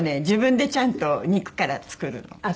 自分でちゃんと肉から作るの。